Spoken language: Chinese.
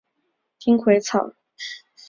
丁癸草是豆科丁癸草属的植物。